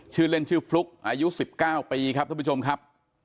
ชื่อเล่นชื่อฟลุ๊กอายุ๑๙ปีครับท่านผู้ชมครับ